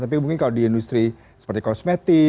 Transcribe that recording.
tapi mungkin kalau di industri seperti kosmetik